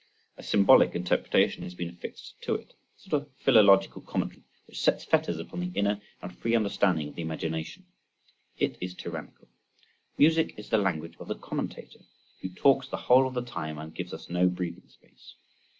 A symbolic interpretation has been affixed to it, a sort of philological commentary, which sets fetters upon the inner and free understanding of the imagination—it is tyrannical. Music is the language of the commentator, who talks the whole of the time and gives us no breathing space.